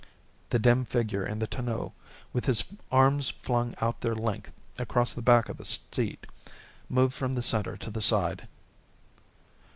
The dim figure in the tonneau, with his arms flung out their length across the back of the seat, moved from the center to the side.